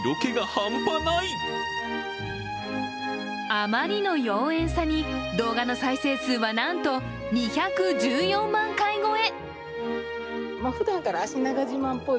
あまりの妖艶さに、動画の再生数はなんと２１４万回超え。